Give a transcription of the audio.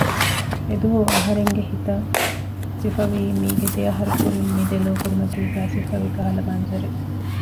އެދުވަހު އަހަރެންގެ ހިތަށް ސިފަވީ މީގެ ދެ އަހަރު ކުރިން މި ދެލޯ ކުރިމަތީގައި ސިފަވި ކަހަލަ މަންޒަރެއް